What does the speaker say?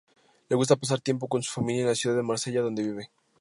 Le gusta pasar tiempo con su familia en la ciudad de Marsella, donde vive.